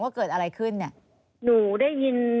ว่าเกิดอะไรขึ้นนี่